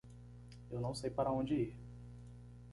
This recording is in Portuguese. Eu não sei para onde ir.